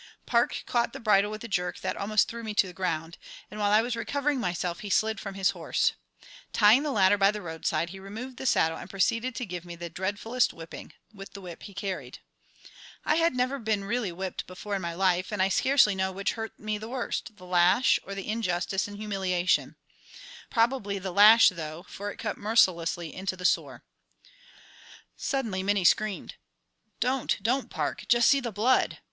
Park caught the bridle with a jerk that almost threw me to the ground, and while I was recovering myself he slid from his horse. Tying the latter by the roadside, he removed the saddle, and proceeded to give me the dreadfulest whipping, with the whip he carried. I had never been really whipped before in my life, and I scarcely know which hurt me the worst, the lash or the injustice and humiliation; probably the lash, though, for it cut mercilessly into the sore. Suddenly Minnie screamed: "Don't, don't, Park; just see the blood!